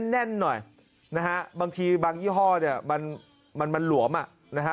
แน่นหน่อยนะฮะบางทีบางยี่ห้อเนี่ยมันมันหลวมอ่ะนะฮะ